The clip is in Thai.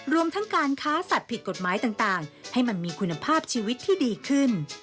รวมทั้งการค้าสัตว์ผิดกฎหมายต่างให้มันมีคุณภาพชีวิตที่ดีขึ้น